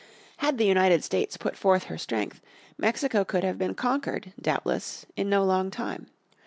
Had the United States put forth her strength, Mexico could have been conquered, doubtless, in no long time.